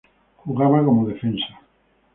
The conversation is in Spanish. Jugaba como Defensa.